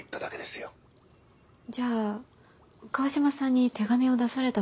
じゃあ川島さんに手紙を出されたことは。